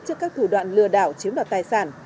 trước các thủ đoạn lừa đảo chiếm đoạt tài sản